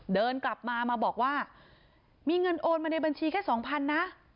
เดินกลับมามาบอกว่ามีเงินโอนมาในบัญชีแค่สองพันนะ